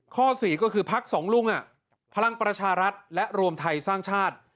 ข้อ๔ก็คือพักสองลุงพลังประชารัฐและรวมไทยสร้างชาติ